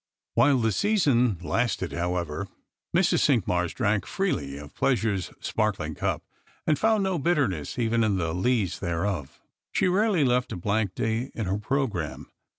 While the season lasted, however, Mrs. Cinqmars drank freely of pleasure's sparkling cup, and found no bitterness even in the lees thereof. She rarely left a blank day in her programme.